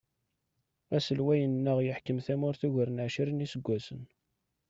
Aselway-nneɣ yeḥkem tamurt ugar n ɛecrin iseggasen.